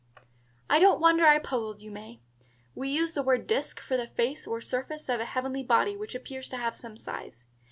"I don't wonder I puzzled you, May. We use the word disk for the face or surface of a heavenly body which appears to have some size.